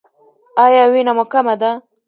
ایا وینه مو کمه ده؟